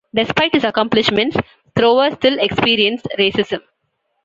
Despite his accomplishments, Thrower still experienced racism.